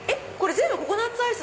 全部ココナッツアイス？